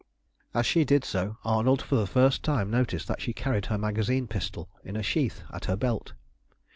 As she did so, Arnold for the first time noticed that she carried her magazine pistol in a sheath at her belt.